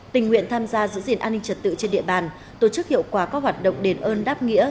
tình nguyện tham gia giữ gìn an ninh trật tự trên địa bàn tổ chức hiệu quả các hoạt động đền ơn đáp nghĩa